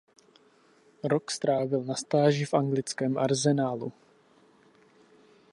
Rok strávil na stáži v anglickém Arsenalu.